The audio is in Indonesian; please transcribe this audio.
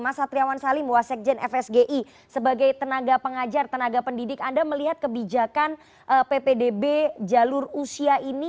mas satriawan salim wasekjen fsgi sebagai tenaga pengajar tenaga pendidik anda melihat kebijakan ppdb jalur usia ini